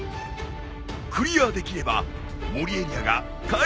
クリアできれば森エリアが開放される。